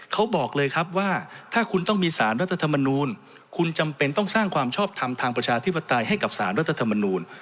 เขาบอกเลยครับว่าถ้าคุณต้องมีสารรัฐธรรมนูลคุณจำเป็นต้องสร้างความชอบทำทางประชาธิปไตยให้กับสารรัฐธรรมนูล